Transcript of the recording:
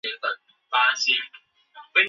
鸡爪簕为茜草科鸡爪簕属下的一个种。